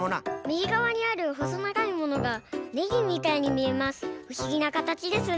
みぎがわにあるほそながいものがねぎみたいにみえます。